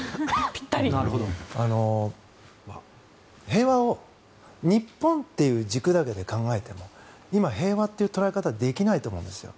平和を日本という軸だけで考えても今、平和という捉え方できないと思うんですよ。